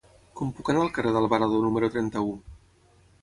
Com puc anar al carrer d'Alvarado número trenta-u?